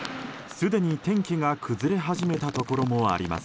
すでに天気が崩れ始めたところもあります。